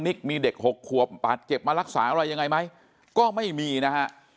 มีเด็ก๖ขวบบาดเจ็บมารักษาอะไรยังไงไหมก็ไม่มีนะฮะ